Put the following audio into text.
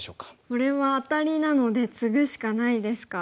これはアタリなのでツグしかないですか。